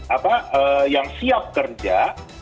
apa yang siap kerja